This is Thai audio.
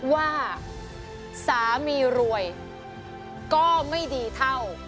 ว่าสามีรวยก็ไม่ดีเท่า